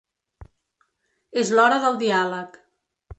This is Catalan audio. És l’hora del diàleg.